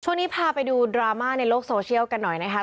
ช่วงนี้พาไปดูดราม่าในโลกโซเชียลกันหน่อยนะคะ